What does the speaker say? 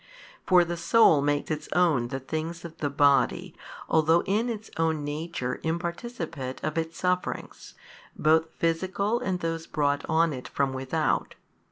For the soul makes its own the things of the body although in its own nature imparticipate of its sufferings, both physical and those brought on it from without.